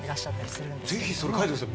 ぜひそれ書いてください